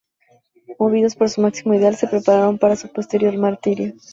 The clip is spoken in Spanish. Movidos por su máximo ideal, se prepararon para su posterior martirio.